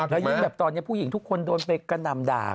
แล้วยิ่งแบบตอนนี้ผู้หญิงทุกคนโดนไปกระหน่ำด่า